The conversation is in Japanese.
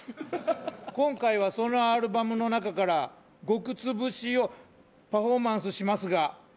今回はそのアルバムの中から『ごくつぶし』をパフォーマンスしますが。